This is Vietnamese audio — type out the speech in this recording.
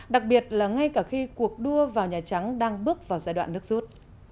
đặc biệt là ngay cả khi cuộc đua vào nhà trắng đang bước vào giai đoạn nước rút